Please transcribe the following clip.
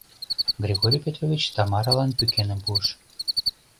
Григорий Петрович Тамаралан пӱкеным пуыш.